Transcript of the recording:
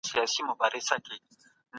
خپل تاریخ له باوري سرچینو څخه ولولئ.